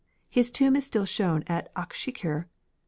His tomb is still shown at Akshekir.